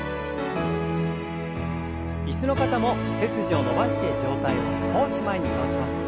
椅子の方も背筋を伸ばして上体を少し前に倒します。